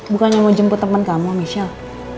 bukannya mau jemput teman kamu michelle